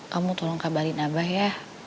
kamu tolong kabarin abah ya